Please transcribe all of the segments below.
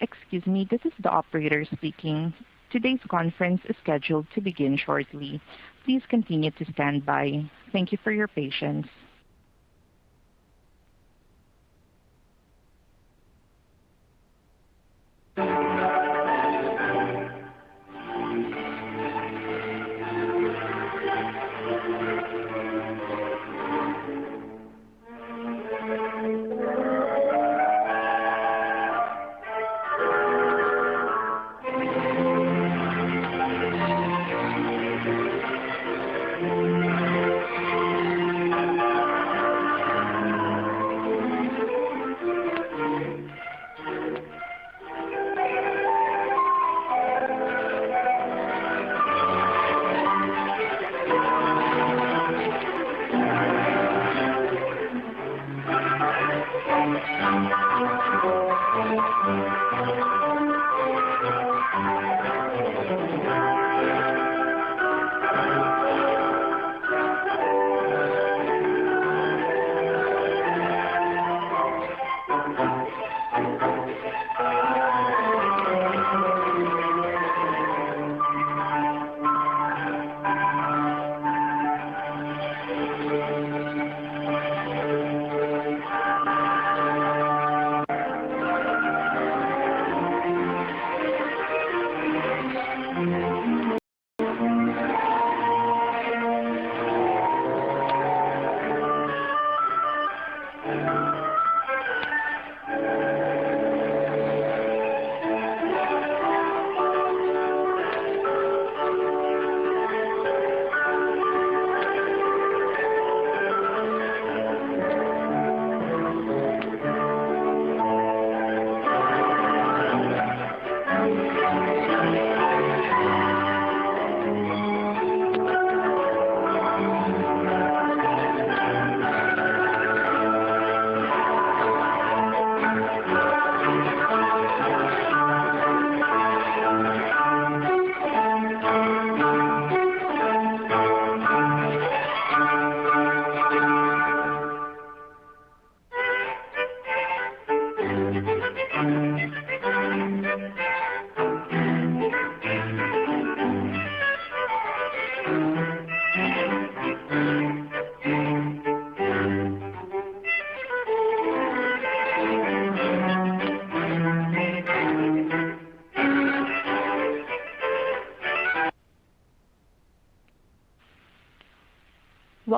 Excuse me, this is the operator speaking. Today's conference is scheduled to begin shortly. Please continue to stand by. Thank you for your patience.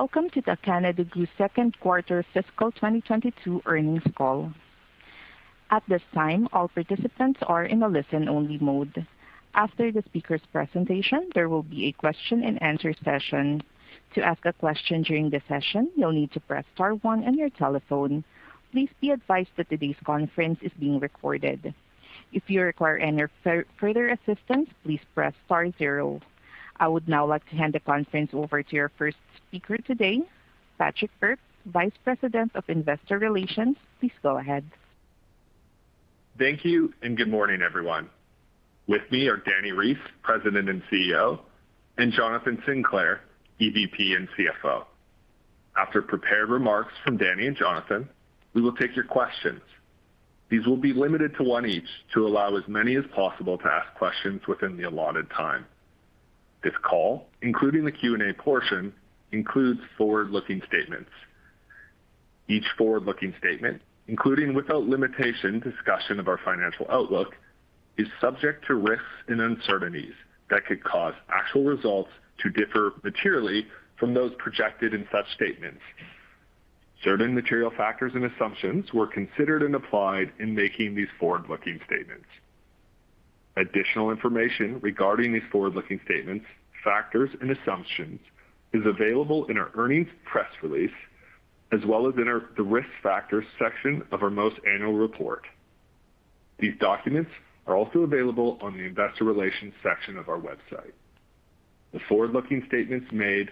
Welcome to the Canada Goose Second Quarter Fiscal 2022 Earnings Call. At this time, all participants are in a listen-only mode. After the speaker's presentation, there will be a question-and-answer session. To ask a question during the session, you'll need to press star one on your telephone. Please be advised that today's conference is being recorded. If you require any further assistance, please press star zero. I would now like to hand the conference over to your first speaker today, Patrick Bourke, Vice President of Investor Relations. Please go ahead. Thank you and good morning, everyone. With me are Dani Reiss, President and CEO, and Jonathan Sinclair, EVP and CFO. After prepared remarks from Dani and Jonathan, we will take your questions. These will be limited to one each to allow as many as possible to ask questions within the allotted time. This call, including the Q&A portion, includes forward-looking statements. Each forward-looking statement, including, without limitation, discussion of our financial outlook, is subject to risks and uncertainties that could cause actual results to differ materially from those projected in such statements. Certain material factors and assumptions were considered and applied in making these forward-looking statements. Additional information regarding these forward-looking statements, factors and assumptions is available in our earnings press release, as well as in the Risk Factors section of our most recent annual report. These documents are also available on the Investor Relations section of our website. The forward-looking statements made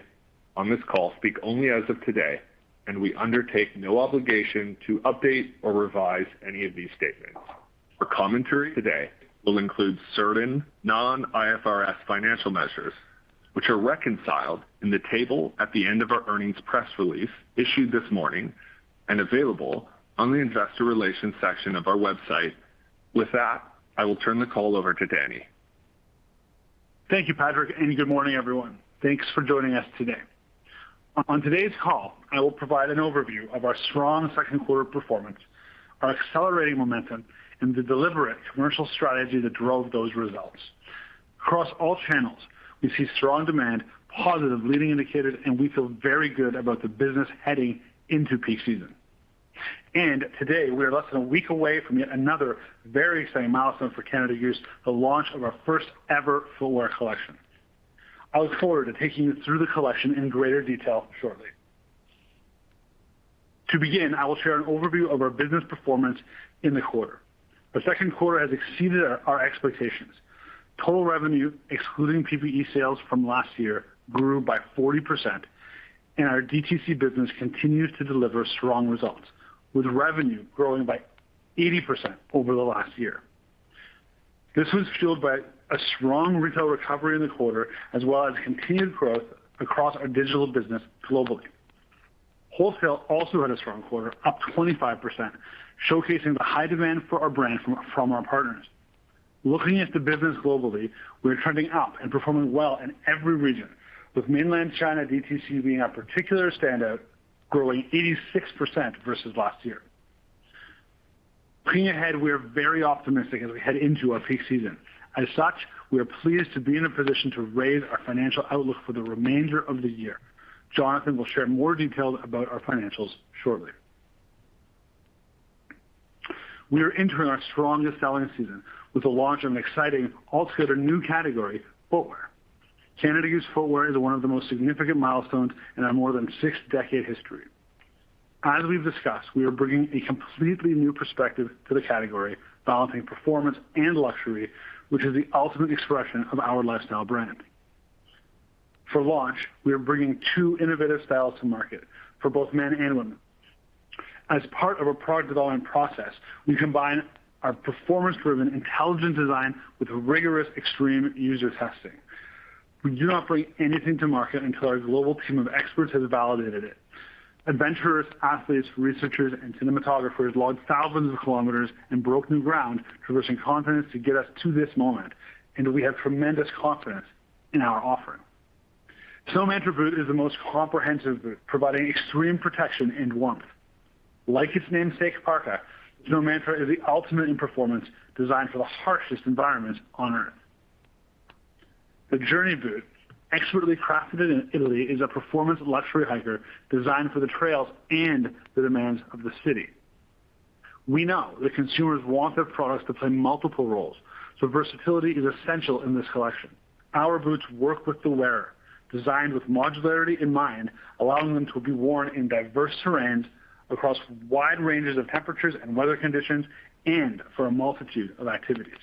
on this call speak only as of today, and we undertake no obligation to update or revise any of these statements. Our commentary today will include certain non-IFRS financial measures, which are reconciled in the table at the end of our earnings press release issued this morning and available on the Investor Relations section of our website. With that, I will turn the call over to Dani. Thank you, Patrick, and good morning, everyone. Thanks for joining us today. On today's call, I will provide an overview of our strong second quarter performance, our accelerating momentum, and the deliberate commercial strategy that drove those results. Across all channels, we see strong demand, positive leading indicators, and we feel very good about the business heading into peak season. Today, we are less than a week away from yet another very exciting milestone for Canada Goose, the launch of our first ever footwear collection. I look forward to taking you through the collection in greater detail shortly. To begin, I will share an overview of our business performance in the quarter. The second quarter has exceeded our expectations. Total revenue, excluding PPE sales from last year, grew by 40%, and our DTC business continues to deliver strong results, with revenue growing by 80% over the last year. This was fueled by a strong retail recovery in the quarter, as well as continued growth across our digital business globally. Wholesale also had a strong quarter, up 25%, showcasing the high demand for our brand from our partners. Looking at the business globally, we are trending up and performing well in every region, with Mainland China DTC being a particular standout, growing 86% versus last year. Looking ahead, we are very optimistic as we head into our peak season. As such, we are pleased to be in a position to raise our financial outlook for the remainder of the year. Jonathan will share more details about our financials shortly. We are entering our strongest selling season with the launch of an exciting, altogether new category, footwear. Canada Goose footwear is one of the most significant milestones in our more than six-decade history. As we've discussed, we are bringing a completely new perspective to the category, balancing performance and luxury, which is the ultimate expression of our lifestyle brand. For launch, we are bringing two innovative styles to market for both men and women. As part of our product development process, we combine our performance-driven intelligent design with rigorous extreme user testing. We do not bring anything to market until our global team of experts has validated it. Adventurers, athletes, researchers, and cinematographers logged thousands of kilometers and broke new ground traversing continents to get us to this moment, and we have tremendous confidence in our offering. Snow Mantra boot is the most comprehensive boot, providing extreme protection and warmth. Like its Namesake Parka, Snow Mantra is the ultimate in performance designed for the harshest environments on Earth. The Journey Boot, expertly crafted in Italy, is a performance luxury hiker designed for the trails and the demands of the city. We know that consumers want their products to play multiple roles, so versatility is essential in this collection. Our boots work with the wearer, designed with modularity in mind, allowing them to be worn in diverse terrains across wide ranges of temperatures and weather conditions and for a multitude of activities.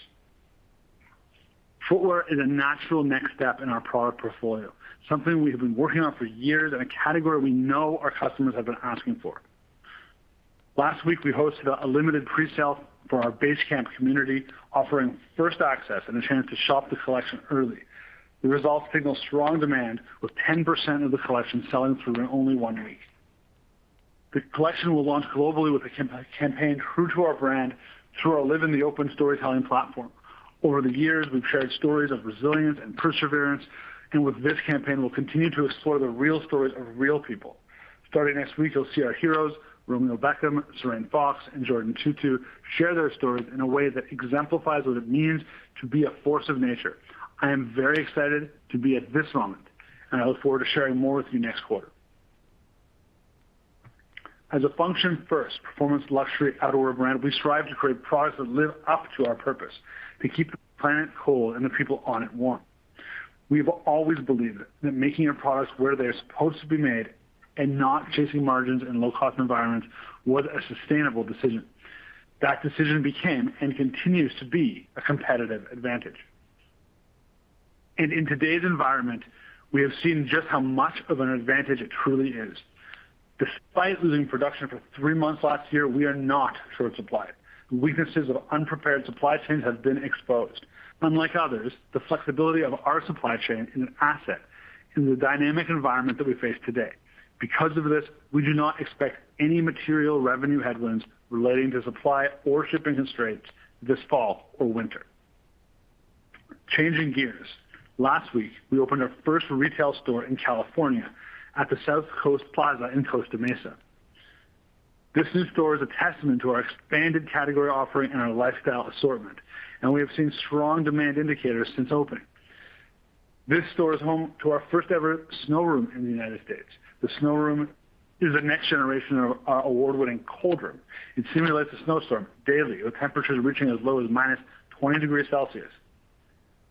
Footwear is a natural next step in our product portfolio, something we have been working on for years and a category we know our customers have been asking for. Last week, we hosted a limited pre-sale for our Basecamp community, offering first access and a chance to shop the collection early. The results signal strong demand, with 10% of the collection selling through in only one week. The collection will launch globally with a campaign true to our brand through our Live in the Open storytelling platform. Over the years, we've shared stories of resilience and perseverance, and with this campaign, we'll continue to explore the real stories of real people. Starting next week, you'll see our heroes, Romeo Beckham, Sarain Fox, and Jordin Tootoo share their stories in a way that exemplifies what it means to be a force of nature. I am very excited to be at this moment, and I look forward to sharing more with you next quarter. As a function first, performance luxury outdoor brand, we strive to create products that live up to our purpose, to keep the planet cold and the people on it warm. We've always believed that making our products where they're supposed to be made and not chasing margins in low-cost environments was a sustainable decision. That decision became and continues to be a competitive advantage. In today's environment, we have seen just how much of an advantage it truly is. Despite losing production for three months last year, we are not short supplied. The weaknesses of unprepared supply chains have been exposed. Unlike others, the flexibility of our supply chain is an asset in the dynamic environment that we face today. Because of this, we do not expect any material revenue headwinds relating to supply or shipping constraints this fall or winter. Changing gears. Last week, we opened our first retail store in California at the South Coast Plaza in Costa Mesa. This new store is a testament to our expanded category offering and our lifestyle assortment, and we have seen strong demand indicators since opening. This store is home to our first ever snow room in the United States. The snow room is the next generation of our award-winning cold room. It simulates a snowstorm daily, with temperatures reaching as low as -20 degrees Celsius.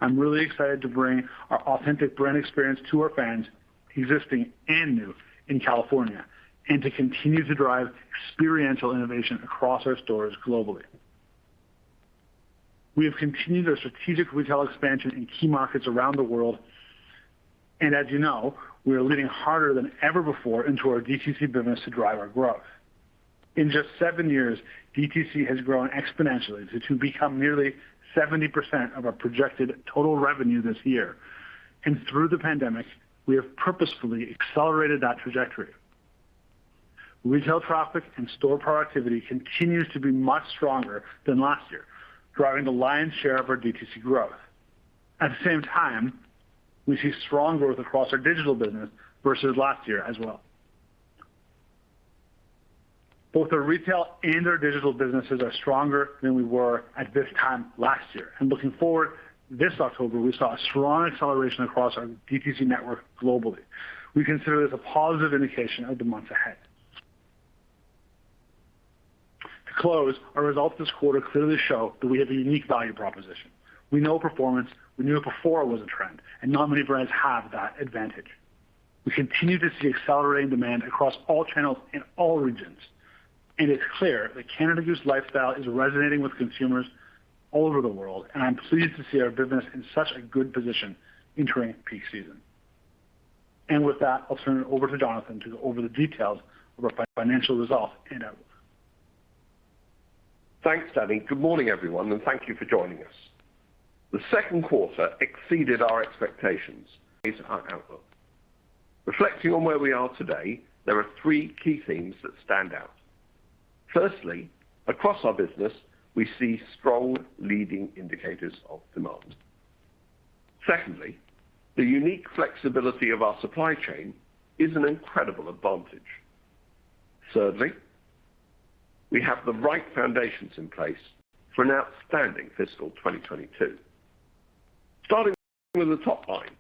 I'm really excited to bring our authentic brand experience to our fans, existing and new, in California, and to continue to drive experiential innovation across our stores globally. We have continued our strategic retail expansion in key markets around the world, and as you know, we are leaning harder than ever before into our DTC business to drive our growth. In just seven years, DTC has grown exponentially to become nearly 70% of our projected total revenue this year. Through the pandemic, we have purposefully accelerated that trajectory. Retail traffic and store productivity continues to be much stronger than last year, driving the lion's share of our DTC growth. At the same time, we see strong growth across our digital business versus last year as well. Both our retail and our digital businesses are stronger than we were at this time last year. Looking forward, this October, we saw a strong acceleration across our DTC network globally. We consider this a positive indication of the months ahead. To close, our results this quarter clearly show that we have a unique value proposition. We know performance, we knew it before it was a trend, and not many brands have that advantage. We continue to see accelerating demand across all channels in all regions, and it's clear that Canada Goose lifestyle is resonating with consumers all over the world, and I'm pleased to see our business in such a good position entering peak season. With that, I'll turn it over to Jonathan to go over the details of our financial results and outlook. Thanks, Dani. Good morning, everyone, and thank you for joining us. The second quarter exceeded our expectations based on our outlook. Reflecting on where we are today, there are three key themes that stand out. Firstly, across our business, we see strong leading indicators of demand. Secondly, the unique flexibility of our supply chain is an incredible advantage. Thirdly, we have the right foundations in place for an outstanding fiscal 2022. Starting with the top line,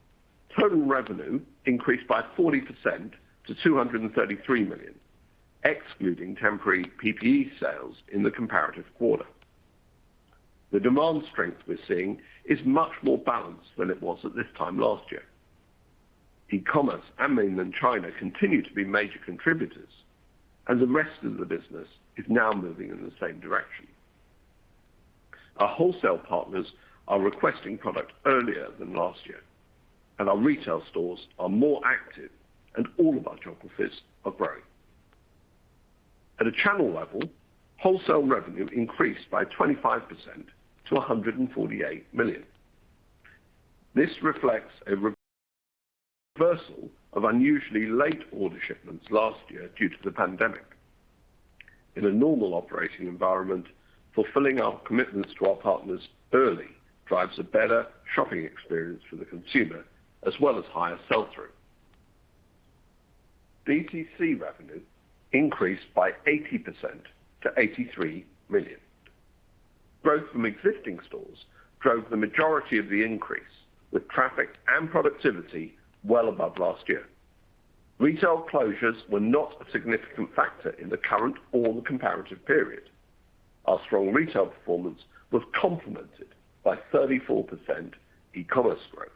total revenue increased by 40% to 233 million, excluding temporary PPE sales in the comparative quarter. The demand strength we're seeing is much more balanced than it was at this time last year. E-commerce and Mainland China continue to be major contributors, and the rest of the business is now moving in the same direction. Our wholesale partners are requesting product earlier than last year, and our retail stores are more active and all of our geographies are growing. At a channel level, wholesale revenue increased by 25% to 148 million. This reflects a reversal of unusually late order shipments last year due to the pandemic. In a normal operating environment, fulfilling our commitments to our partners early drives a better shopping experience for the consumer as well as higher sell-through. DTC revenue increased by 80% to 83 million. Growth from existing stores drove the majority of the increase with traffic and productivity well above last year. Retail closures were not a significant factor in the current or the comparative period. Our strong retail performance was complemented by 34% e-commerce growth.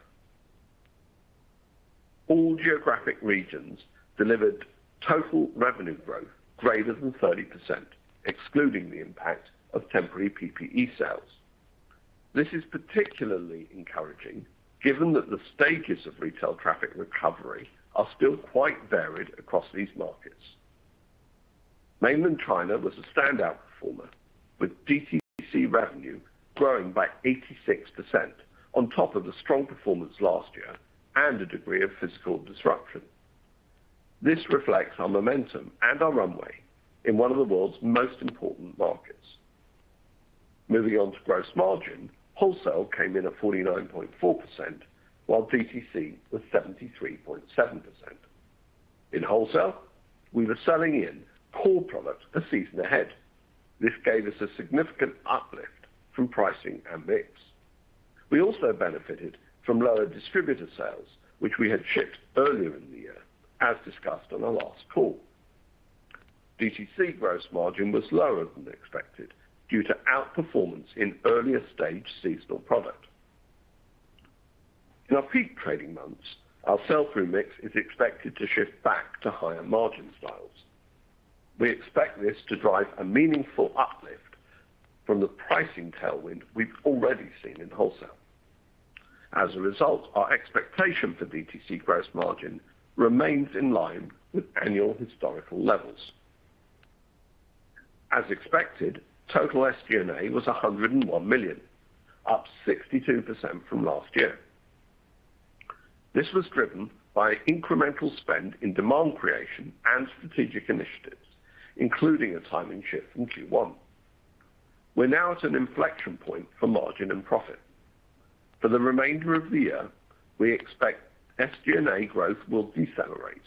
All geographic regions delivered total revenue growth greater than 30%, excluding the impact of temporary PPE sales. This is particularly encouraging given that the stages of retail traffic recovery are still quite varied across these markets. Mainland China was a standout performer, with DTC revenue growing by 86% on top of the strong performance last year and a degree of physical disruption. This reflects our momentum and our runway in one of the world's most important markets. Moving on to gross margin, wholesale came in at 49.4%, while DTC was 73.7%. In wholesale, we were selling in core product a season ahead. This gave us a significant uplift from pricing and mix. We also benefited from lower distributor sales, which we had shipped earlier in the year as discussed on our last call. DTC gross margin was lower than expected due to outperformance in earlier stage seasonal product. In our peak trading months, our sell-through mix is expected to shift back to higher margin styles. We expect this to drive a meaningful uplift from the pricing tailwind we've already seen in wholesale. As a result, our expectation for DTC gross margin remains in line with annual historical levels. As expected, total SG&A was 101 million, up 62% from last year. This was driven by incremental spend in demand creation and strategic initiatives, including a timing shift in Q1. We're now at an inflection point for margin and profit. For the remainder of the year, we expect SG&A growth will decelerate.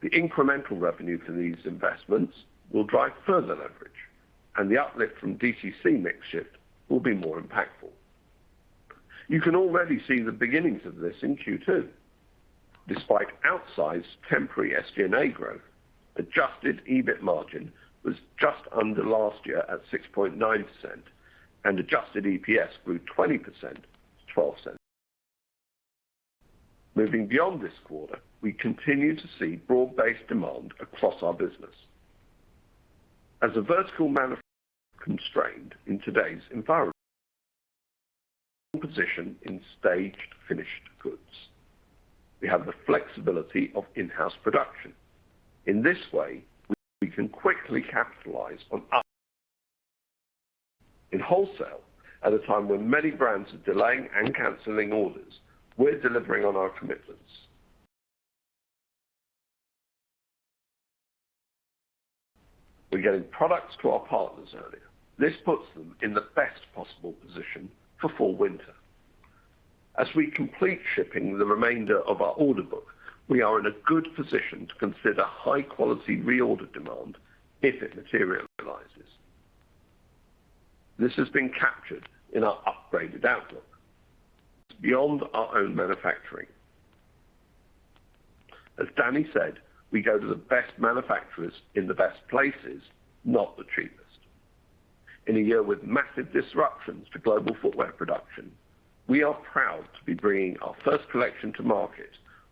The incremental revenue for these investments will drive further leverage, and the uplift from DTC mix shift will be more impactful. You can already see the beginnings of this in Q2. Despite outsized temporary SG&A growth, adjusted EBIT margin was just under last year at 6.9% and adjusted EPS grew 20% to 0.12. Moving beyond this quarter, we continue to see broad-based demand across our business. As a vertical manufacturer constrained in today's environment positioned in staged finished goods, we have the flexibility of in-house production. In this way, we can quickly capitalize on. In wholesale, at a time when many brands are delaying and canceling orders, we're delivering on our commitments. We're getting products to our partners earlier. This puts them in the best possible position for fall/winter. As we complete shipping the remainder of our order book, we are in a good position to consider high-quality reorder demand if it materializes. This has been captured in our upgraded outlook beyond our own manufacturing. As Dani said, we go to the best manufacturers in the best places, not the cheapest. In a year with massive disruptions to global footwear production, we are proud to be bringing our first collection to market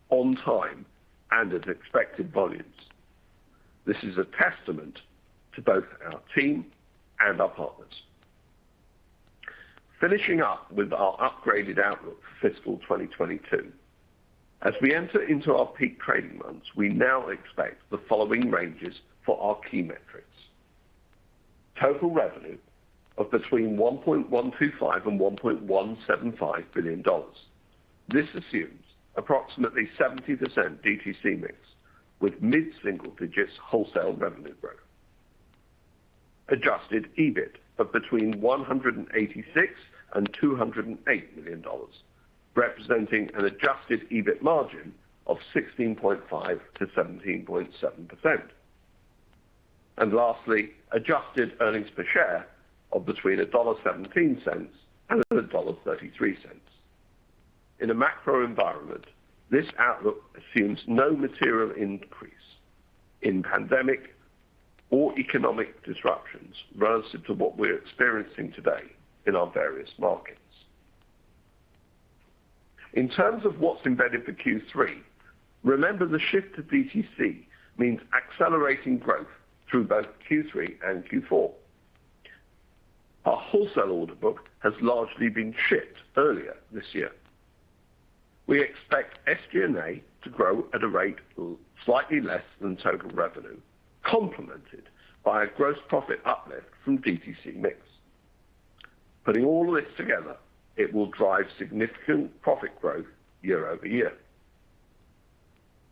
on time and at expected volumes. This is a testament to both our team and our partners. Finishing up with our upgraded outlook for fiscal 2022. As we enter into our peak trading months, we now expect the following ranges for our key metrics. Total revenue of between 1.125 billion and 1.175 billion dollars. This assumes approximately 70% DTC mix with mid-single digits wholesale revenue growth. Adjusted EBIT of between 186 million and 208 million dollars, representing an adjusted EBIT margin of 16.5%-17.7%. Lastly, adjusted earnings per share of between dollar 1.17 and dollar 1.33. In a macro environment, this outlook assumes no material increase in pandemic or economic disruptions relative to what we're experiencing today in our various markets. In terms of what's embedded for Q3, remember the shift to DTC means accelerating growth through both Q3 and Q4. Our wholesale order book has largely been shipped earlier this year. We expect SG&A to grow at a rate slightly less than total revenue, complemented by a gross profit uplift from DTC mix. Putting all this together, it will drive significant profit growth year-over-year.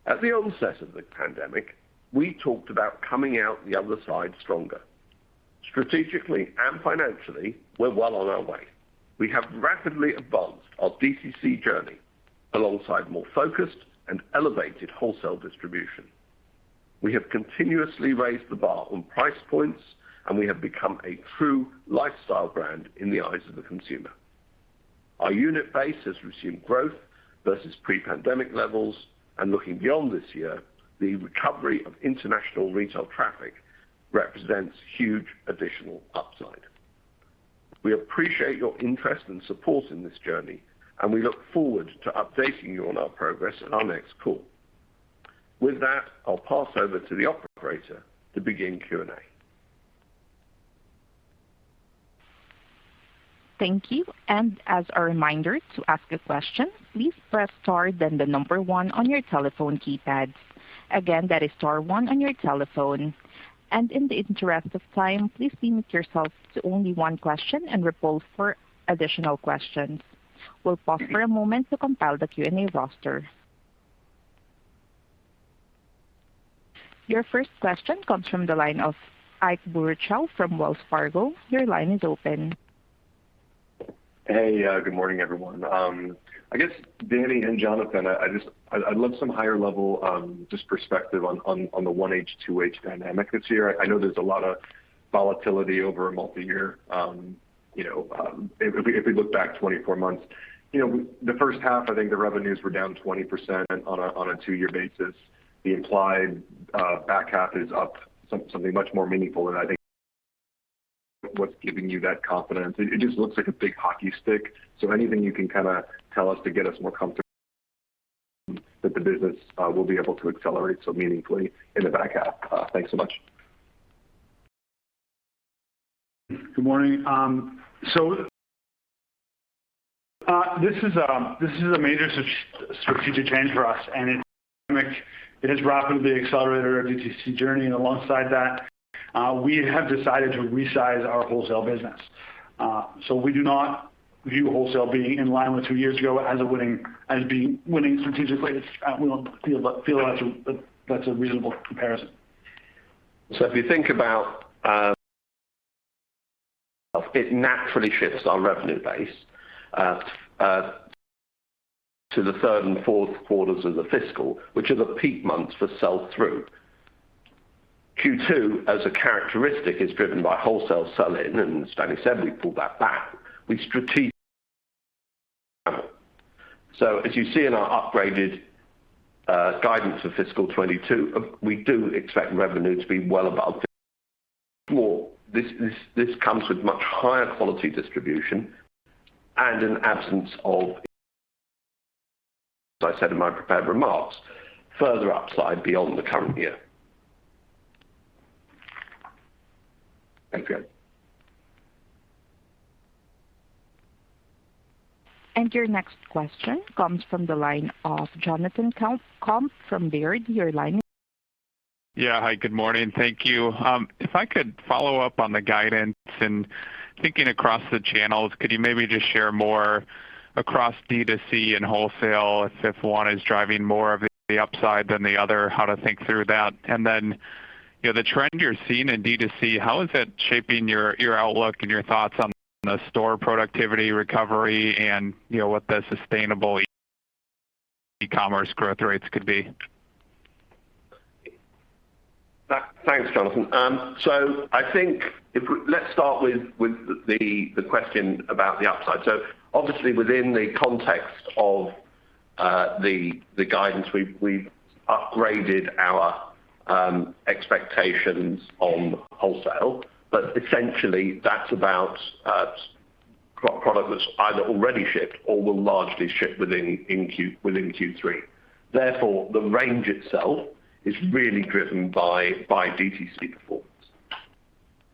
At the onset of the pandemic, we talked about coming out the other side stronger. Strategically and financially, we're well on our way. We have rapidly advanced our DTC journey alongside more focused and elevated wholesale distribution. We have continuously raised the bar on price points, and we have become a true lifestyle brand in the eyes of the consumer. Our unit base has resumed growth versus pre-pandemic levels, and looking beyond this year, the recovery of international retail traffic represents huge additional upside. We appreciate your interest and support in this journey, and we look forward to updating you on our progress at our next call. With that, I'll pass over to the operator to begin Q&A. Thank you. As a reminder to ask a question, please press star then the number one on your telephone keypad. Again, that is star one on your telephone. In the interest of time, please limit yourself to only one question and repost for additional questions. We'll pause for a moment to compile the Q&A roster. Your first question comes from the line of Ike Boruchow from Wells Fargo. Your line is open. Hey, good morning, everyone. I guess Dani and Jonathan, I'd love some higher level just perspective on the 1H, 2H dynamic this year. I know there's a lot of volatility over a multi-year, you know, if we look back 24 months. You know, the first half, I think the revenues were down 20% on a two-year basis. The implied back half is up something much more meaningful. I think what's giving you that confidence? It just looks like a big hockey stick. Anything you can kinda tell us to get us more comfortable that the business will be able to accelerate so meaningfully in the back half. Thanks so much. Good morning. This is a major strategic change for us, and it has rapidly accelerated our DTC journey. Alongside that, we have decided to resize our wholesale business. We do not view wholesale being in line with two years ago as winning strategically. We don't feel that's a reasonable comparison. If you think about it naturally shifts our revenue base to the third and fourth quarters of the fiscal, which are the peak months for sell-through. Q2, as a characteristic, is driven by wholesale sell-in, and as Dani said, we pulled that back. We strategically as you see in our upgraded guidance for fiscal 2022, we do expect revenue to be well above. This comes with much higher quality distribution and an absence of. As I said in my prepared remarks, further upside beyond the current year. Thank you. Your next question comes from the line of Jonathan Komp from Baird. Your line is Yeah. Hi, good morning. Thank you. If I could follow up on the guidance and thinking across the channels, could you maybe just share more across DTC and wholesale if one is driving more of the upside than the other, how to think through that? And then, you know, the trend you're seeing in DTC, how is it shaping your outlook and your thoughts on the store productivity recovery and, you know, what the sustainable e-commerce growth rates could be? Thanks, Jonathan. I think let's start with the question about the upside. Obviously, within the context of the guidance, we've upgraded our expectations on wholesale. Essentially, that's about product that's either already shipped or will largely ship within Q3. Therefore, the range itself is really driven by DTC performance.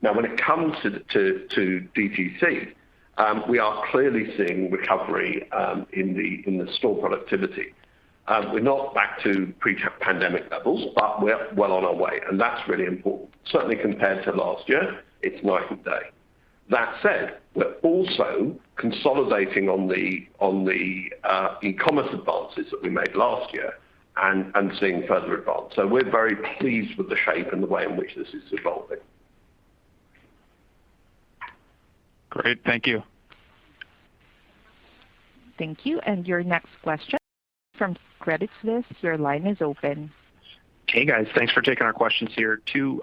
Now, when it comes to DTC, we are clearly seeing recovery in the store productivity. We're not back to pre-pandemic levels, but we're well on our way, and that's really important. Certainly compared to last year, it's night and day. That said, we're also consolidating on the e-commerce advances that we made last year and seeing further advance. We're very pleased with the shape and the way in which this is evolving. Great. Thank you. Thank you. Your next question from Credits List, your line is open. Hey, guys. Thanks for taking our questions here. Two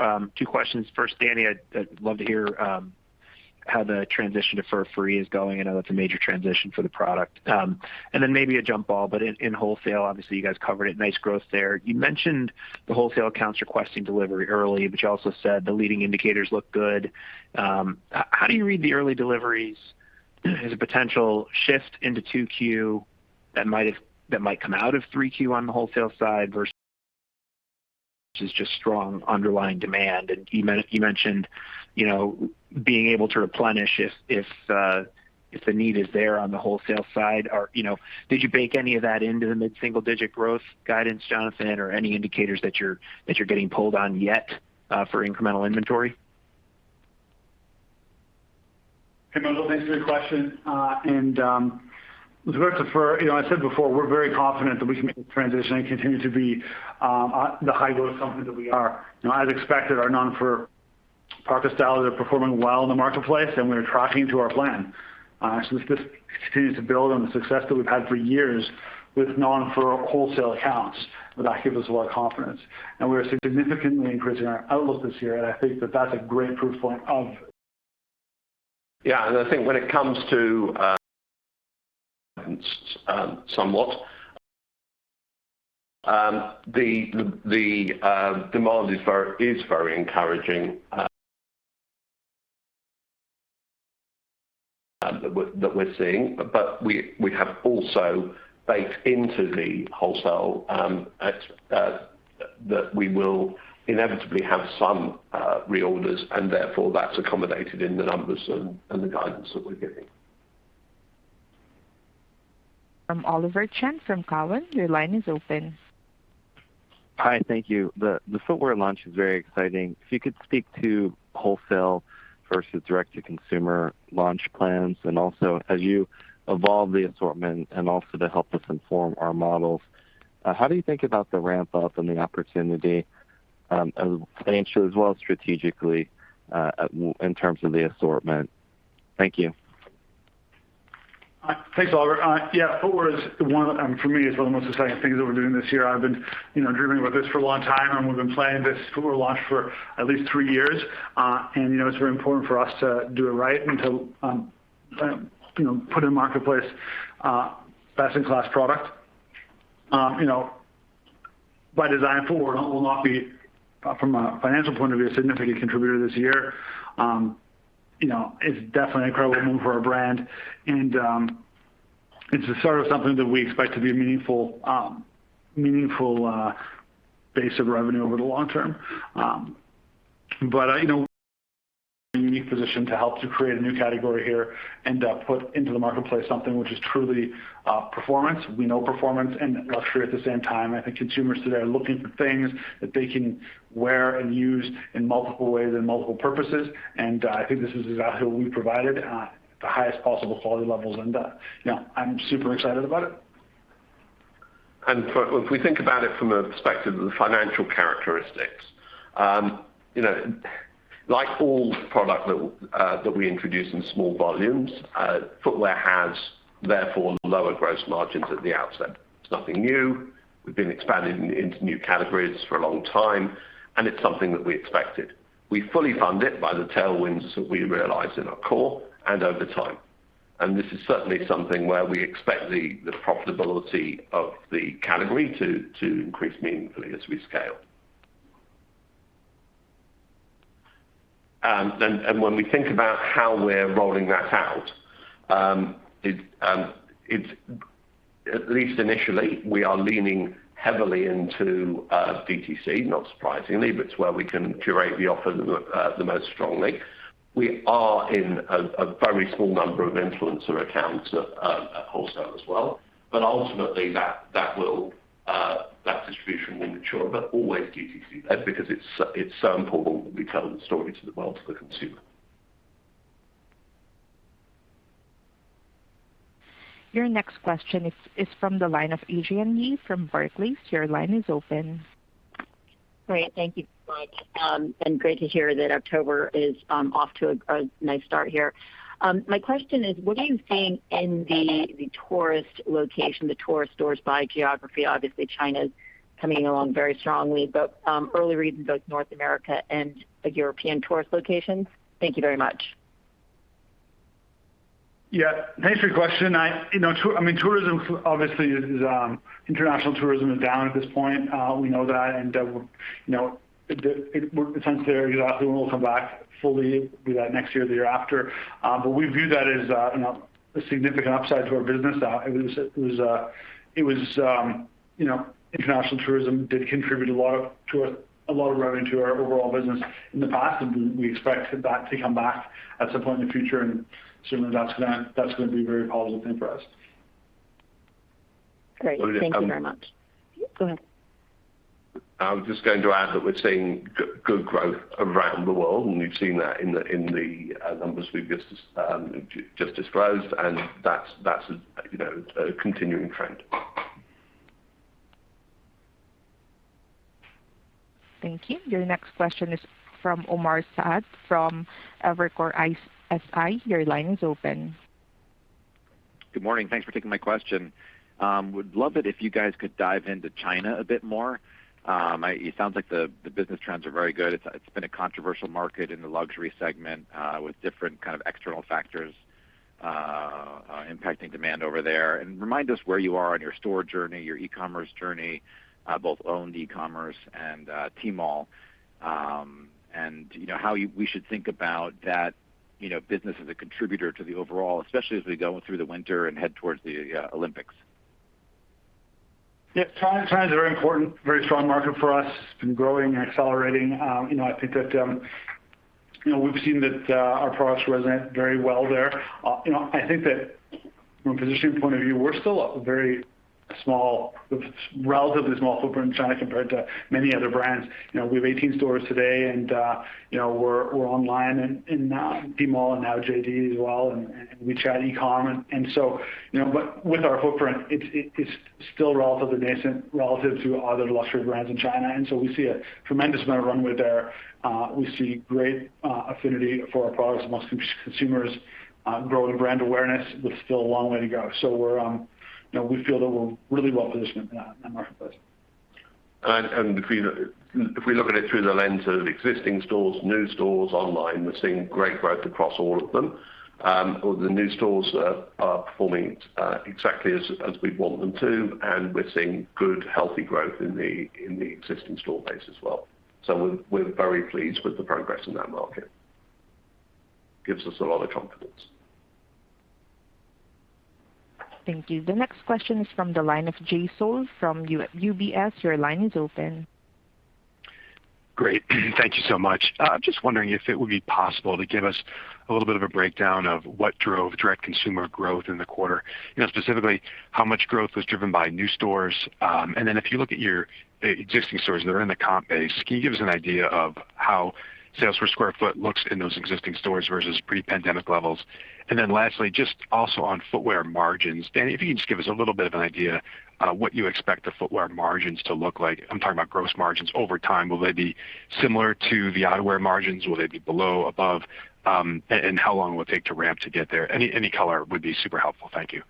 questions. First, Dani, I'd love to hear how the transition to fur-free is going. I know that's a major transition for the product. Maybe a jump ball, but in wholesale, obviously, you guys covered it, nice growth there. You mentioned the wholesale accounts requesting delivery early, but you also said the leading indicators look good. How do you read the early deliveries as a potential shift into 2Q that might come out of 3Q on the wholesale side versus just strong underlying demand? You mentioned you know being able to replenish if the need is there on the wholesale side or you know. Did you bake any of that into the mid-single-digit growth guidance, Jonathan, or any indicators that you're getting pulled on yet for incremental inventory? Hey, Miguel, thanks for the question. With respect to fur, you know, I said before, we're very confident that we can make the transition and continue to be the high-growth company that we are. You know, as expected, our non-fur product styles are performing well in the marketplace, and we're tracking to our plan. This just continues to build on the success that we've had for years with non-fur wholesale accounts, and that gives us a lot of confidence. We are significantly increasing our outlook this year, and I think that that's a great proof point of. I think the demand is very encouraging that we're seeing. We have also baked into the wholesale except that we will inevitably have some reorders, and therefore that's accommodated in the numbers and the guidance that we're giving. From Oliver Chen from Cowen, your line is open. Hi, thank you. The footwear launch is very exciting. If you could speak to wholesale versus direct-to-consumer launch plans, and also as you evolve the assortment and also to help us inform our models, how do you think about the ramp up and the opportunity, as financially as well strategically, in terms of the assortment? Thank you. Thanks, Oliver. Yeah, footwear is one, for me, is one of the most exciting things that we're doing this year. I've been, you know, dreaming about this for a long time, and we've been planning this footwear launch for at least three years. You know, it's very important for us to do it right and to, you know, put in the marketplace a best-in-class product. You know, by design, footwear will not be, from a financial point of view, a significant contributor this year. You know, it's definitely an incredible moment for our brand and, it's the start of something that we expect to be a meaningful base of revenue over the long term. You know, we're in a unique position to help to create a new category here and put into the marketplace something which is truly performance. We know performance and luxury at the same time. I think consumers today are looking for things that they can wear and use in multiple ways and multiple purposes. I think this is exactly what we provided the highest possible quality levels. Yeah, I'm super excited about it. If we think about it from a perspective of the financial characteristics, you know, like all product that we introduce in small volumes, footwear has therefore lower gross margins at the outset. It's nothing new. We've been expanding into new categories for a long time, and it's something that we expected. We fully fund it by the tailwinds that we realize in our core and over time. This is certainly something where we expect the profitability of the category to increase meaningfully as we scale. When we think about how we're rolling that out, at least initially, we are leaning heavily into DTC, not surprisingly, but it's where we can curate the offer the most strongly. We are in a very small number of influencer accounts at wholesale as well. Ultimately, that distribution will mature, but always DTC because it's so important that we tell the story to the world, to the consumer. Your next question is from the line of Adrienne Yih from Barclays. Your line is open. Great. Thank you so much. Great to hear that October is off to a nice start here. My question is, what are you seeing in the tourist locations, the tourist stores by geography? Obviously, China is coming along very strongly, but early reads in both North America and the European tourist locations. Thank you very much. Yeah, thanks for the question. You know, I mean, tourism obviously is international tourism is down at this point. We know that and you know, we're concerned there that it won't come back fully, be it next year or the year after. We view that as you know, a significant upside to our business. It was you know, international tourism did contribute a lot of revenue to our overall business in the past, and we expect that to come back at some point in the future. Certainly that's gonna be a very positive thing for us. Great. Thank you very much. Go ahead. I was just going to add that we're seeing good growth around the world, and you've seen that in the numbers we've just disclosed, and that's, you know, a continuing trend. Thank you. Your next question is from Omar Saad from Evercore ISI. Your line is open. Good morning. Thanks for taking my question. Would love it if you guys could dive into China a bit more. It sounds like the business trends are very good. It's been a controversial market in the luxury segment with different kind of external factors impacting demand over there. Remind us where you are on your store journey, your e-commerce journey, both owned e-commerce and Tmall. You know, we should think about that, you know, business as a contributor to the overall, especially as we go through the winter and head towards the Olympics. Yeah. China is a very important, very strong market for us. It's been growing and accelerating. You know, I think that, you know, we've seen that, our products resonate very well there. You know, I think that from a positioning point of view, we're still a very small, relatively small footprint in China compared to many other brands. You know, we have 18 stores today and, you know, we're online and now in Tmall and now JD as well, and WeChat e-com. You know, but with our footprint, it's still relatively nascent relative to other luxury brands in China, and so we see a tremendous amount of runway there. We see great, affinity for our products amongst consumers, growing brand awareness with still a long way to go. We're, you know, we feel that we're really well positioned in that marketplace. If we look at it through the lens of existing stores, new stores, online, we're seeing great growth across all of them. The new stores are performing exactly as we'd want them to, and we're seeing good, healthy growth in the existing store base as well. We're very pleased with the progress in that market. It gives us a lot of confidence. Thank you. The next question is from the line of Jay Sole from UBS. Your line is open. Great. Thank you so much. Just wondering if it would be possible to give us a little bit of a breakdown of what drove direct consumer growth in the quarter. You know, specifically, how much growth was driven by new stores. If you look at your existing stores that are in the comp base, can you give us an idea of how sales per square foot looks in those existing stores versus pre-pandemic levels? Just also on footwear margins. Dani, if you can just give us a little bit of an idea what you expect the footwear margins to look like. I'm talking about gross margins over time. Will they be similar to the eyewear margins? Will they be below, above? And how long will it take to ramp to get there? Any color would be super helpful. Thank you.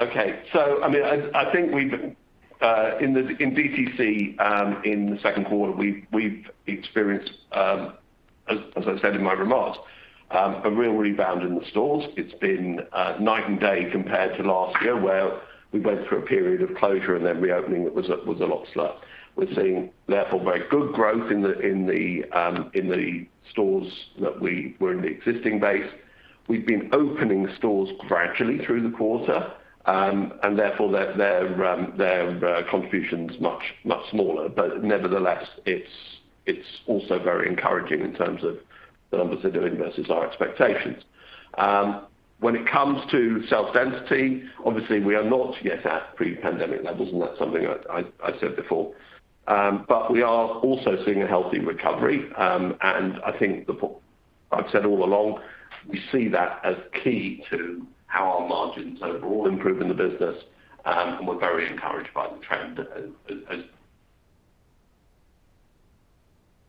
Okay. I mean, I think we've in DTC in the second quarter we've experienced, as I said in my remarks, a real rebound in the stores. It's been night and day compared to last year, where we went through a period of closure and then reopening that was a lot slower. We're seeing, therefore, very good growth in the stores that we were in the existing base. We've been opening stores gradually through the quarter, and therefore their contribution is much smaller. Nevertheless, it's also very encouraging in terms of the numbers they're doing versus our expectations. When it comes to sales density, obviously we are not yet at pre-pandemic levels, and that's something I said before. We are also seeing a healthy recovery. I think I've said all along, we see that as key to how our margins overall improve in the business. We're very encouraged by the trend.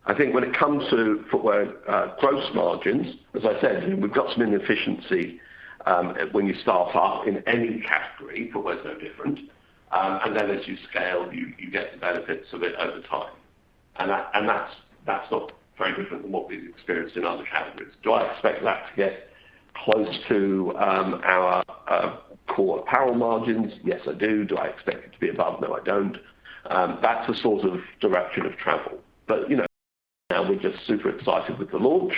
I think when it comes to footwear, gross margins, as I said, we've got some inefficiency, when you start up in any category, footwear is no different. As you scale, you get the benefits of it over time. That's not very different than what we've experienced in other categories. Do I expect that to get close to our core apparel margins? Yes, I do. Do I expect it to be above? No, I don't. That's the sort of direction of travel. you know, now we're just super excited with the launch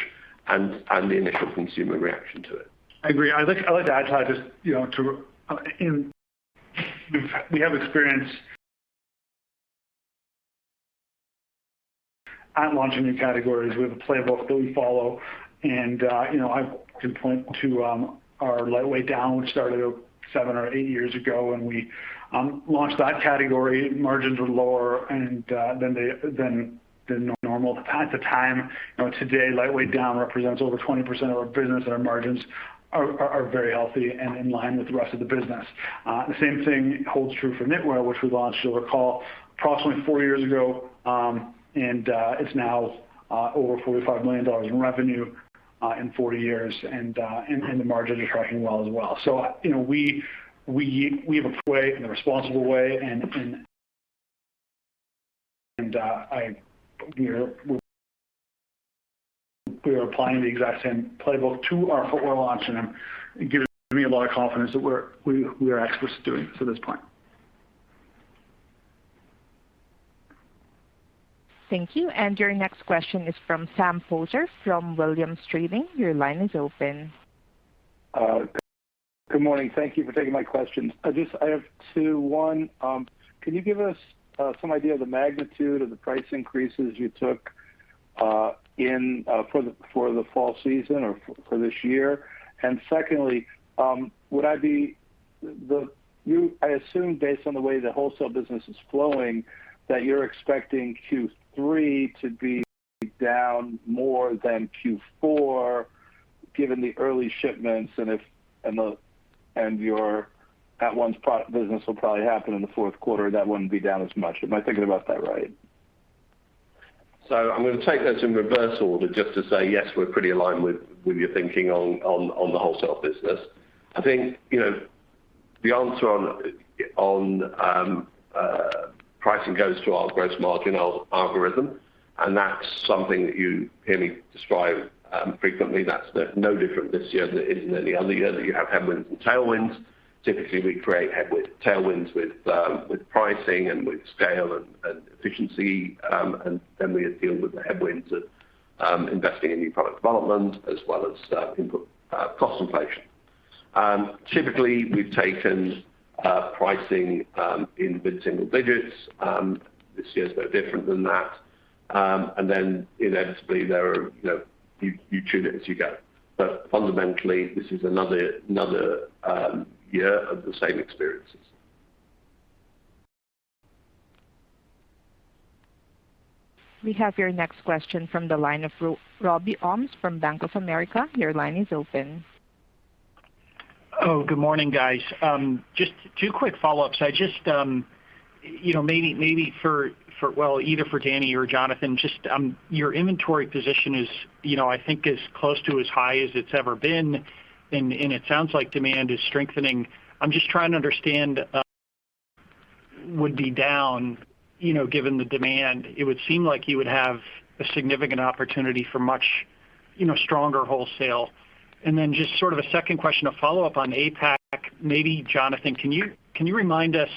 and the initial consumer reaction to it. I agree. I'd like to add to that just, you know. We have experience at launching new categories. We have a playbook that we follow and, you know, I can point to our lightweight down, which started seven or eight years ago, and we launched that category. Margins were lower than normal at the time. You know, today, lightweight down represents over 20% of our business, and our margins are very healthy and in line with the rest of the business. The same thing holds true for knitwear, which we launched, you'll recall, approximately four years ago. And it's now over 45 million dollars in revenue in four years. The margins are tracking well as well. You know, we have a way and a responsible way, and you know, we are applying the exact same playbook to our footwear launch, and it gives me a lot of confidence that we're experts at doing it to this point. Thank you. Your next question is from Sam Poser from Williams Trading. Your line is open. Good morning. Thank you for taking my questions. I have two. One, can you give us some idea of the magnitude of the price increases you took in for the fall season or for this year? Secondly, I assume based on the way the wholesale business is flowing, that you're expecting Q3 to be down more than Q4, given the early shipments and your At Once business will probably happen in the fourth quarter, that wouldn't be down as much. Am I thinking about that right? I'm gonna take those in reverse order just to say, yes, we're pretty aligned with your thinking on the wholesale business. I think, you know, the answer on pricing goes to our gross margin algorithm, and that's something that you hear me describe frequently. That's no different this year than it is in any other year, that you have headwinds and tailwinds. Typically, we create tailwinds with pricing and with scale and efficiency, and then we deal with the headwinds of investing in new product development as well as input cost inflation. Typically, we've taken pricing in mid-single digits. This year's no different than that. Then inevitably there are, you know. You tune it as you go. Fundamentally, this is another year of the same experiences. We have your next question from the line of Robbie Ohmes from Bank of America. Your line is open. Good morning, guys. Just two quick follow-ups. I just, you know, maybe for, well, either for Dani or Jonathan, just, your inventory position is, you know, I think as close to as high as it's ever been, and it sounds like demand is strengthening. I'm just trying to understand why wholesale would be down, you know, given the demand. It would seem like you would have a significant opportunity for much, you know, stronger wholesale. Then just sort of a second question, a follow-up on APAC. Maybe Jonathan, can you remind us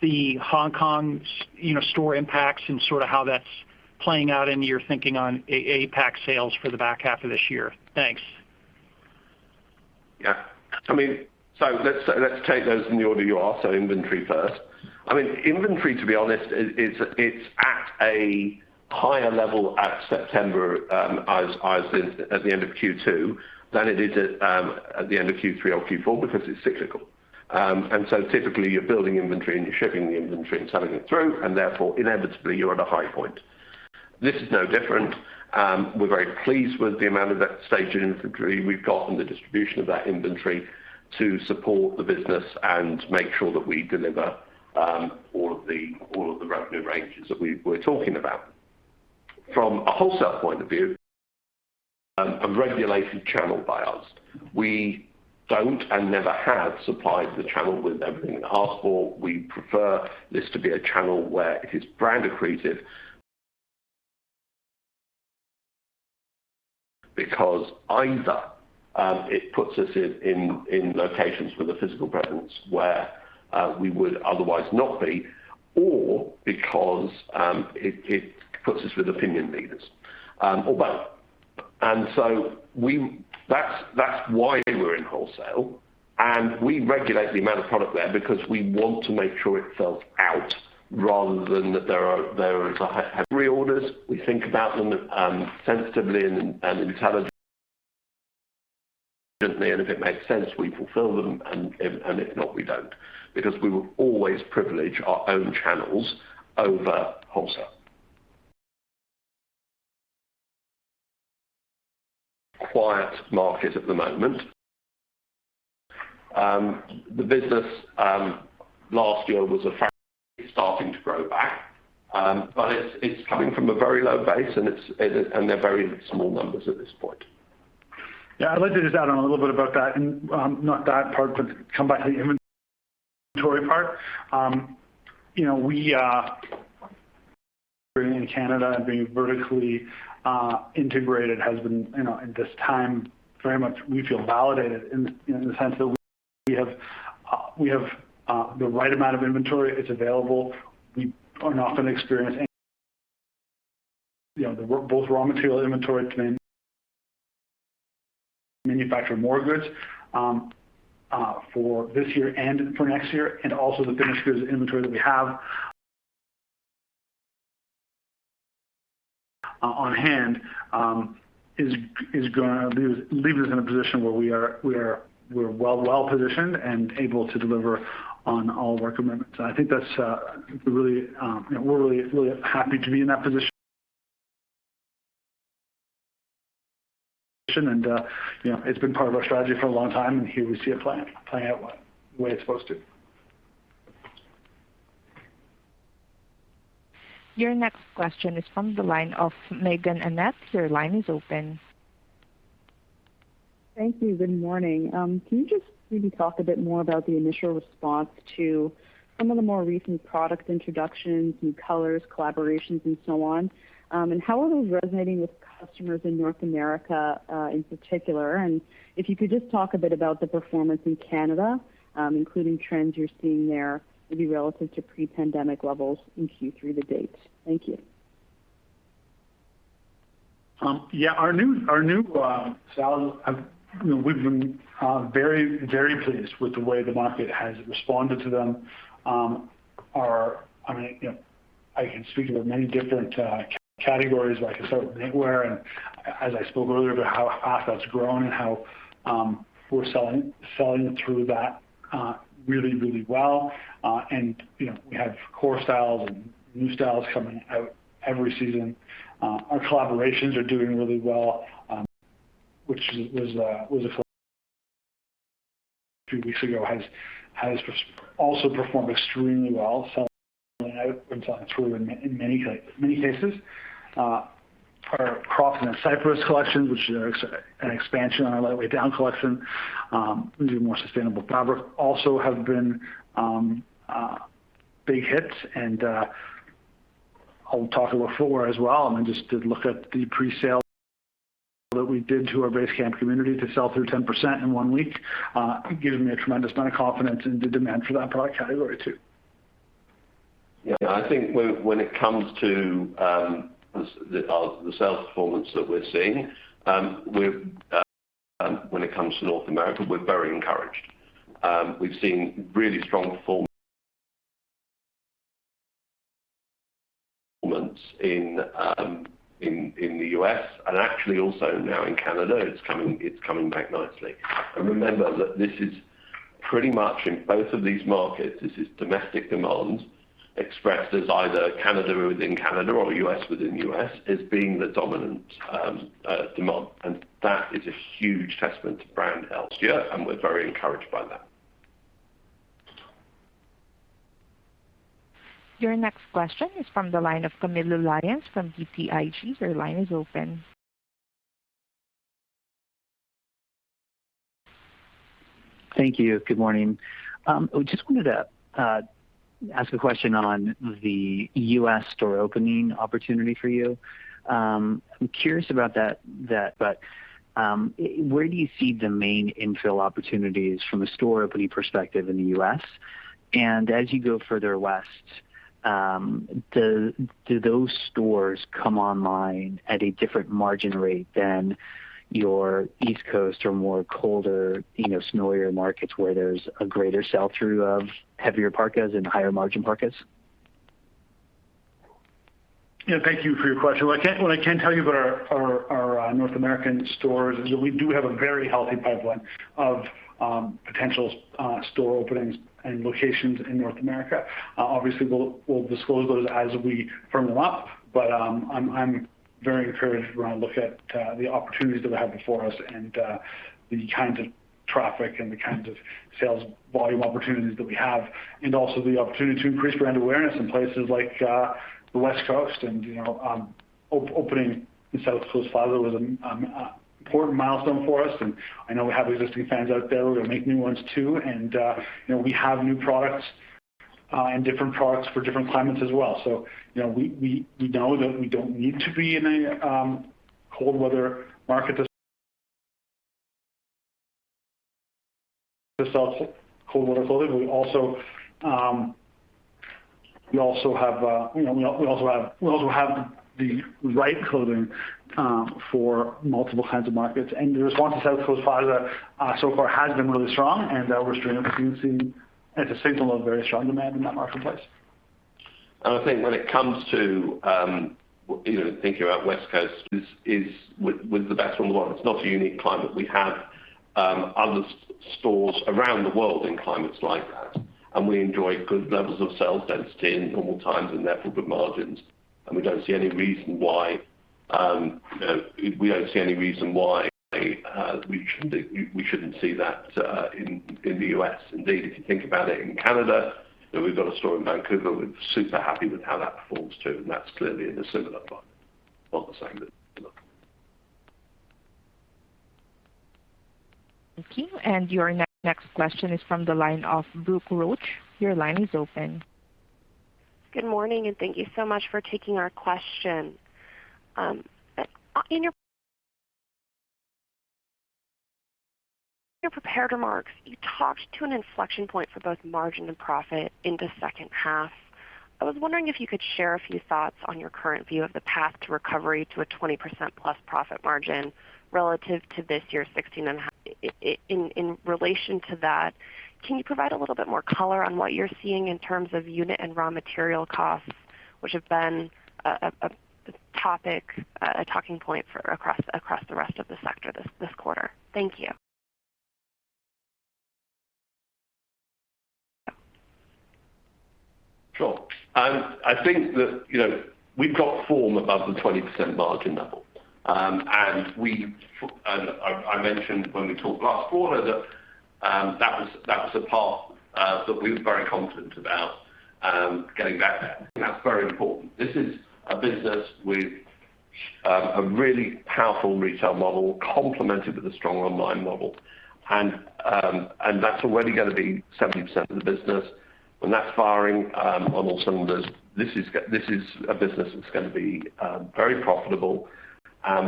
the Hong Kong store impacts and sort of how that's playing out into your thinking on APAC sales for the back half of this year? Thanks. Yeah. I mean, let's take those in the order you asked, so inventory first. I mean, inventory, to be honest, it's at a higher level at September, as the end of Q2 than it is at the end of Q3 or Q4 because it's cyclical. Typically you're building inventory and you're shipping the inventory and selling it through and therefore inevitably you're at a high point. This is no different. We're very pleased with the amount of that staged inventory we've got and the distribution of that inventory to support the business and make sure that we deliver all of the revenue ranges that we're talking about. From a wholesale point of view, a regulated channel by us. We don't and never have supplied the channel with everything they ask for. We prefer this to be a channel where it is brand accretive because either it puts us in locations with a physical presence where we would otherwise not be or because it puts us with opinion leaders or both. That's why we're in wholesale, and we regulate the amount of product there because we want to make sure it sells out rather than that there are reorders. We think about them sensitively and intelligently, and if it makes sense, we fulfill them, and if not, we don't. Because we will always privilege our own channels over wholesale. Quiet market at the moment. The business last year was starting to grow back. It's coming from a very low base, and they're very small numbers at this point. Yeah, I'd like to just add on a little bit about that and, not that part, but come back to the inventory part. You know, we, being in Canada and being vertically integrated has been, you know, at this time very much we feel validated in the, in the sense that we have the right amount of inventory. It's available. We are not gonna experience any you know, both raw material inventory to manufacture more goods, for this year and for next year, and also the finished goods inventory that we have on hand is gonna leave us in a position where we are well-positioned and able to deliver on all of our commitments. I think that's really, you know, we're really happy to be in that position. You know, it's been part of our strategy for a long time, and here we see it playing out the way it's supposed to. Your next question is from the line of Meaghen Annett. Your line is open. Thank you. Good morning. Can you just maybe talk a bit more about the initial response to some of the more recent product introductions, new colors, collaborations and so on? How are those resonating with customers in North America, in particular? If you could just talk a bit about the performance in Canada, including trends you're seeing there maybe relative to pre-pandemic levels in Q3 to date. Thank you. Our new styles have. You know, we've been very pleased with the way the market has responded to them. I mean, you know, I can speak about many different categories. I can start with knitwear, and as I spoke earlier about how fast that's grown and how we're selling through that really well. You know, we have core styles and new styles coming out every season. Our collaborations are doing really well, which was a few weeks ago has also performed extremely well, selling out and selling through in many cases. Our crops in the Cypress collection, which is an expansion on our lightweight down collection using more sustainable fabric also have been big hits. I'll talk about footwear as well. I mean, just to look at the presale that we did to our Basecamp community to sell through 10% in one week, gives me a tremendous amount of confidence in the demand for that product category too. Yeah. I think when it comes to the sales performance that we're seeing. When it comes to North America, we're very encouraged. We've seen really strong performance in the U.S. and actually also now in Canada. It's coming back nicely. Remember that this is pretty much in both of these markets, domestic demand expressed as either Canada within Canada or U.S. within U.S. as being the dominant demand. That is a huge testament to brand health. Yeah. We're very encouraged by that. Your next question is from the line of Camilo Lyon from BTIG. Your line is open. Thank you. Good morning. Just wanted to ask a question on the U.S. store opening opportunity for you. I'm curious about that. Where do you see the main infill opportunities from a store opening perspective in the U.S.? As you go further west, do those stores come online at a different margin rate than your East Coast or more colder, you know, snowier markets where there's a greater sell-through of heavier parkas and higher margin parkas? Yeah, thank you for your question. What I can tell you about our North American stores is that we do have a very healthy pipeline of potential store openings and locations in North America. Obviously, we'll disclose those as we firm them up. I'm very encouraged when I look at the opportunities that we have before us and the kinds of traffic and the kinds of sales volume opportunities that we have, and also the opportunity to increase brand awareness in places like the West Coast. You know, opening in South Coast Plaza was an important milestone for us, and I know we have existing fans out there. We're gonna make new ones too. You know, we have new products and different products for different climates as well. You know, we know that we don't need to be in a cold weather market to sell cold weather clothing, but we also have the right clothing for multiple kinds of markets. The response to South Coast Plaza so far has been really strong and we're starting to see it's a signal of very strong demand in that marketplace. I think when it comes to, you know, thinking about West Coast, it's with the best climate in the world. It's not a unique climate. We have other stores around the world in climates like that, and we enjoy good levels of sales density in normal times and therefore good margins. We don't see any reason why we shouldn't see that in the U.S. Indeed, if you think about it, in Canada, you know, we've got a store in Vancouver. We're super happy with how that performs too, and that's clearly in a similar climate on the same. Thank you. Your next question is from the line of Brooke Roach. Your line is open. Good morning, and thank you so much for taking our question. In your prepared remarks, you talked to an inflection point for both margin and profit in the second half. I was wondering if you could share a few thoughts on your current view of the path to recovery to a 20%+ profit margin relative to this year 16.5%. In relation to that, can you provide a little bit more color on what you're seeing in terms of unit and raw material costs, which have been a topic, a talking point for across the rest of the sector this quarter? Thank you. Sure. I think that, you know, we've got from above the 20% margin level. I mentioned when we talked last quarter that that was a path that we were very confident about getting back there. That's very important. This is a business with a really powerful retail model complemented with a strong online model. That's already gonna be 70% of the business. When that's firing on all cylinders, this is a business that's gonna be very profitable.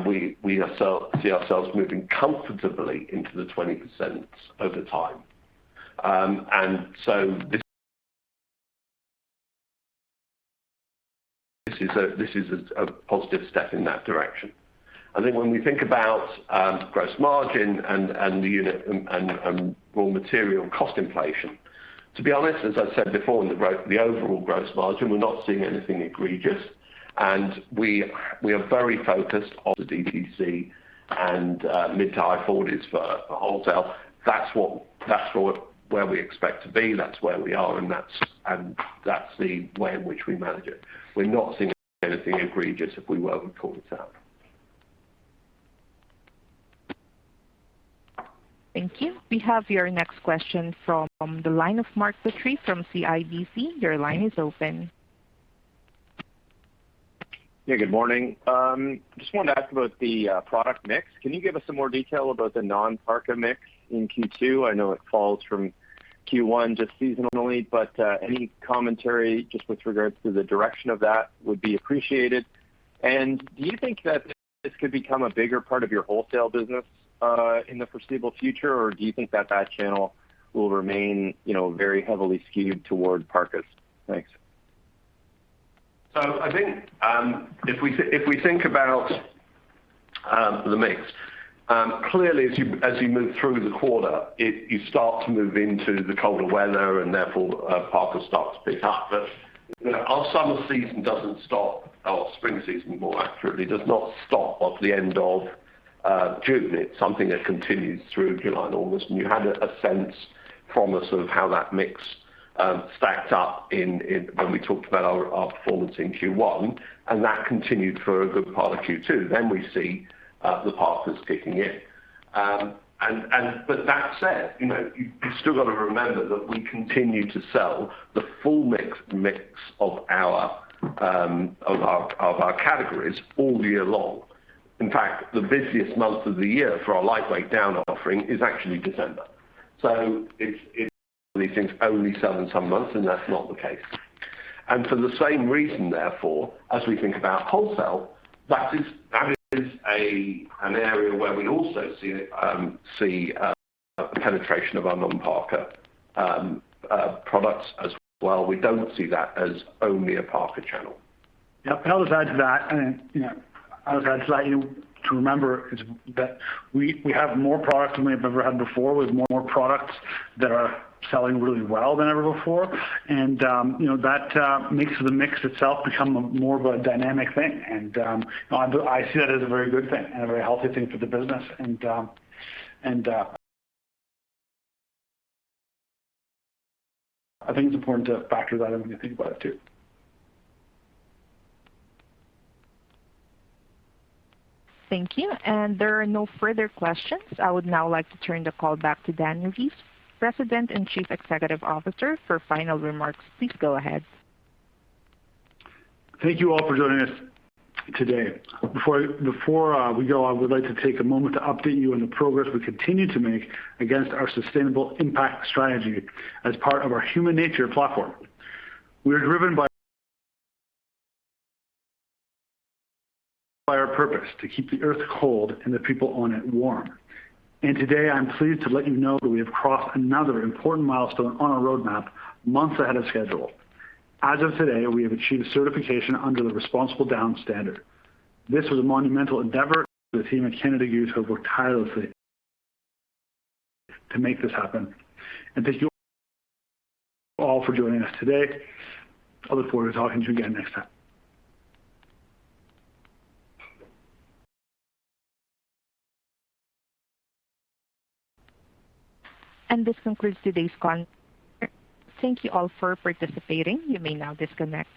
We see ourselves moving comfortably into the 20% over time. This is a positive step in that direction. I think when we think about gross margin and the unit and raw material cost inflation, to be honest, as I said before, the overall gross margin, we're not seeing anything egregious. We are very focused on the DTC and mid- to-high 40s% for wholesale. That's where we expect to be, that's where we are, and that's the way in which we manage it. We're not seeing anything egregious. If we were, we'd call this out. Thank you. We have your next question from the line of Mark Petrie from CIBC. Your line is open. Yeah, good morning. Just wanted to ask about the product mix. Can you give us some more detail about the non-parka mix in Q2? I know it falls from Q1 just seasonally, but any commentary just with regards to the direction of that would be appreciated. Do you think that this could become a bigger part of your wholesale business in the foreseeable future, or do you think that that channel will remain, you know, very heavily skewed toward parkas? Thanks. I think if we think about the mix, clearly as you move through the quarter, you start to move into the colder weather and therefore parka starts to pick up. You know, our summer season doesn't stop. Our spring season, more accurately, does not stop at the end of June. You had a sense from us of how that mix stacked up when we talked about our performance in Q1, and that continued for a good part of Q2. We see the parkas kicking in. That said, you know, you've still got to remember that we continue to sell the full mix of our categories all year long. In fact, the busiest month of the year for our lightweight down offering is actually December. It's these things only sell in some months, and that's not the case. For the same reason, therefore, as we think about wholesale, that is an area where we also see penetration of our non-parka products as well. We don't see that as only a parka channel. Yeah. I'll just add to that, you know, to remember is that we have more products than we've ever had before. We have more products that are selling really well than ever before. You know, that makes the mix itself become more of a dynamic thing. I see that as a very good thing and a very healthy thing for the business. I think it's important to factor that in when you think about it too. Thank you. There are no further questions. I would now like to turn the call back to Dani Reiss, President and Chief Executive Officer, for final remarks. Please go ahead. Thank you all for joining us today. Before we go, I would like to take a moment to update you on the progress we continue to make against our sustainable impact strategy as part of our HUMANATURE platform. We are driven by our purpose to keep the earth cold and the people on it warm. Today, I'm pleased to let you know that we have crossed another important milestone on our roadmap months ahead of schedule. As of today, we have achieved certification under the Responsible Down Standard. This was a monumental endeavor. The team at Canada Goose have worked tirelessly to make this happen. Thank you all for joining us today. I look forward to talking to you again next time. This concludes today's conference. Thank you all for participating. You may now disconnect.